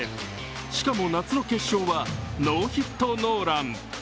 しかも夏の決勝はノーヒットノーラン。